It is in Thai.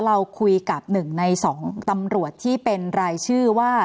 เราคุยกับ๑ใน๒ตำรวจที่เป็นรายชื่อว่า